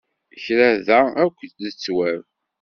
Kra da akk d ttwab.